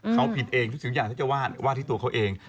เขาผิดเองทุกสิ่งอย่างที่จะวาดที่ตัวเขาเอง